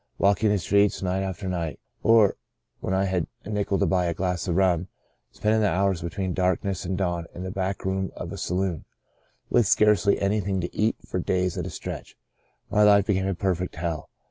Walking the streets night after night, or, when I had a nickel to buy a glass of rum, spending the hours between darkness and dawn in the back room of a saloon ; with scarcely anything to eat for days at a stretch, my life became a perfect hell.